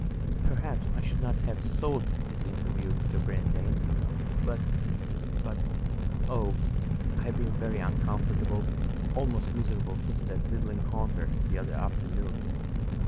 "Perhaps I should not have sought this interview, Mr. Brantain; but—but, oh, I have been very uncomfortable, almost miserable since that little encounter the other afternoon.